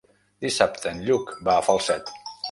Dissabte en Lluc va a Falset.